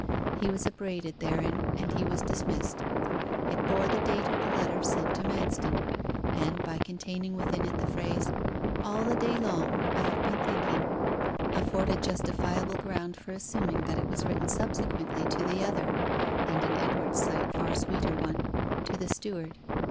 He was upbraided therein, and he was dismissed. It bore the date of the letter sent to Manston, and by containing within it the phrase, 'All the day long I have been thinking,' afforded justifiable ground for assuming that it was written subsequently to the other (and in Edward's sight far sweeter one) to the steward.